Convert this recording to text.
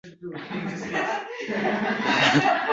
Lochin o‘g‘ri qo‘lga tushibdi.